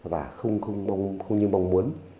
và không như mong muốn